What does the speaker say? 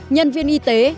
nhân viên y tế